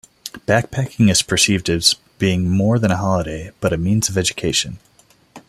Backpacking is perceived as being more than a holiday, but a means of education.